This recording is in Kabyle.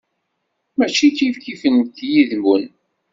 Mačči kifkif nekk yid-wen.